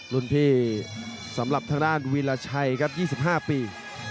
รุ่นพี่สำหรับทางด้านวีรชัยครับ๒๕ปี